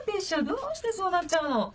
どうしてそうなっちゃうの？